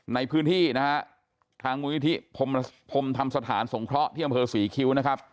ในพื้นที่นะฮะทางมูลนิธิพรมพรมธรรมสถานสงเคราะห์ที่อำเภอศรีคิ้วนะครับ